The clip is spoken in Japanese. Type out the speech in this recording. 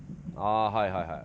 あはいはいはい。